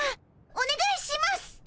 おねがいします。